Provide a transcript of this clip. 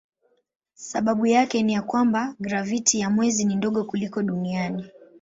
Sababu yake ni ya kwamba graviti ya mwezi ni ndogo kuliko duniani.